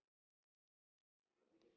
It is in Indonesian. bagaimana kita bisa membuatnya